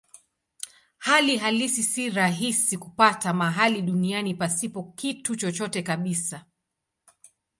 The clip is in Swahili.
Hali halisi si rahisi kupata mahali duniani pasipo kitu chochote kabisa.